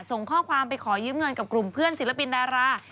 ส่งข้อความไปขอยืมเงินกับกลุ่มเพื่อนศิลปินดารา